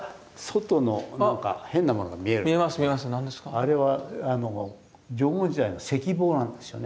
あれは縄文時代の石棒なんですよね。